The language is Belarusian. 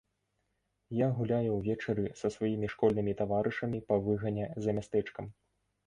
Я гуляю ўвечары са сваімі школьнымі таварышамі па выгане за мястэчкам.